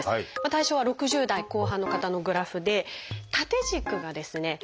対象は６０代後半の方のグラフで縦軸がですね